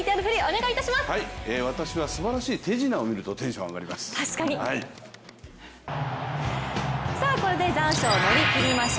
私はすばらしい手品を見るとテンションが上がります。